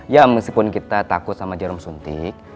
ya meskipun kita takut sama jarum suntik